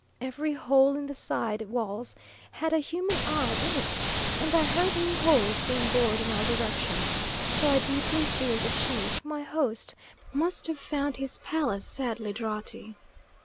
Every hole in the side walls had a human eye in it, and I heard new holes being bored in all directions; so I deeply fear the chief, my host, must have found his palace sadly draughty.